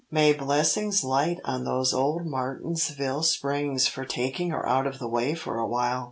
May blessings light on those old Martinsville Springs for taking her out of the way for awhile!